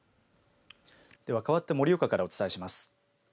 では、かわって盛岡からお伝えします。